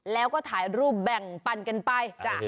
แล้วก็ถ่ายรูปแบ่งปันกันไป